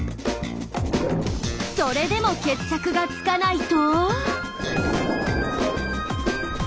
それでも決着がつかないと。